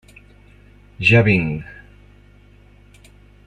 Ja vinc.